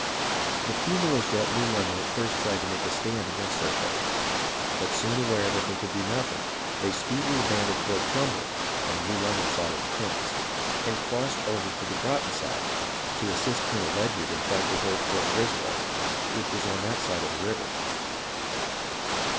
The few militia at New London at first tried to make a stand against their foes, but soon aware that they could do nothing, they speedily abandoned Fort Trumbull (on the New London side of the Thames) and crossed over to the Groton side to assist Colonel Ledyard in trying to hold Fort Griswold, which was on that side of the river.